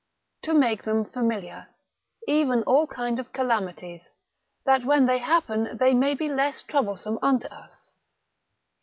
To make them familiar, even all kind of calamities, that when they happen they may be less troublesome unto us.